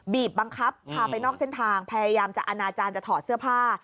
บังคับพาไปนอกเส้นทางพยายามจะอนาจารย์จะถอดเสื้อผ้า